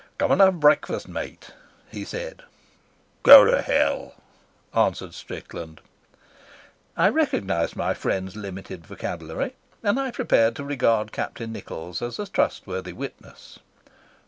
"Come and have breakfast, mate," he said. "Go to hell," answered Strickland. I recognised my friend's limited vocabulary, and I prepared to regard Captain Nichols as a trustworthy witness.